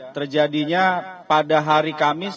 terjadinya pada hari kamis